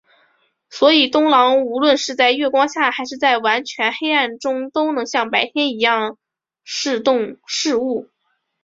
所以冬狼无论是在月光下还是在完全黑暗中都能像白天一样视物。